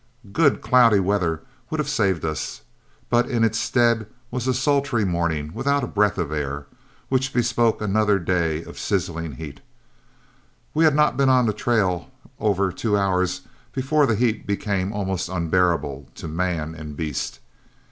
Good cloudy weather would have saved us, but in its stead was a sultry morning without a breath of air, which bespoke another day of sizzling heat. We had not been on the trail over two hours before the heat became almost unbearable to man and beast.